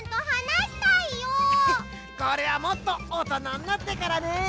ヘヘッこれはもっとおとなになってからね！